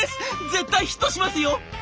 絶対ヒットしますよ！」。